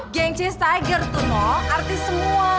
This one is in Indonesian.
geng cis tiger tunggol artis semua